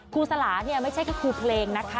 คูณศราไม่ใช่แค่คูณเพลงนะคะ